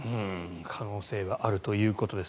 可能性があるということです。